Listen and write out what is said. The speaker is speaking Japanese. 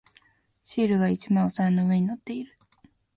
シールが一枚お皿の上に乗っている。